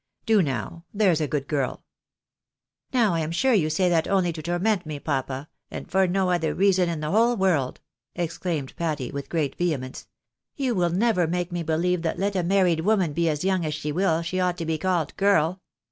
Do now, there's a good girl !"" Now I am sure you say that only to torment me, papa, and for no other reason in the whole world !" exclaimed Patty, with great vehemence. " You will never make me believe that let a married woman be as young as she will, she ought to be called GiEL